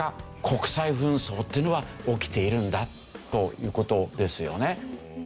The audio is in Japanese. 国際紛争っていうのは起きているんだという事ですよね。